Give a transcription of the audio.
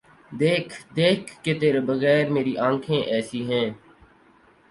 دیکھ دیکھ کہ تیرے بغیر میری آنکھیں ایسے ہیں۔